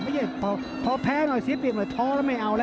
ไม่ใช่พอแพ้หน่อยเสียเปรียบหน่อยท้อแล้วไม่เอาแล้ว